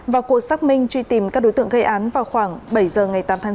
vào cuộc xác minh truy tìm các đối tượng gây án vào khoảng bảy giờ ngày tám tháng chín